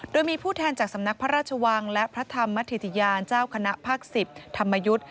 โดยมีผู้แทนจากสำนักพระราชวังและพระธรรมมธิติยานเจ้าคณะภาค๑๐ธรรมยุทธ์